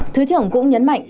thứ trưởng cũng nhấn mạnh